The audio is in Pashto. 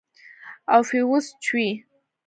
او فيوز چوي.